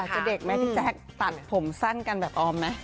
จะเด็กไหมพี่แจ๊คตัดผมสั้นกันแบบออมไหม